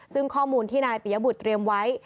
ซึ่งข้อมูลที่นายปียบุตรเตรียมไว้